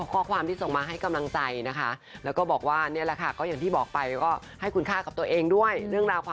คอความที่ส่งมาให้กำลังใจนะคะ